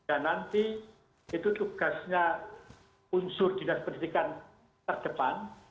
dan nanti itu tugasnya unsur dasar pendidikan terdepan